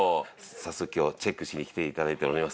早速今日チェックしに来て頂いております。